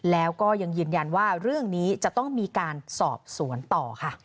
แล้วก็ยังยืนยันว่าเรื่องนี้จะต้องมีการสอบสวนต่อค่ะ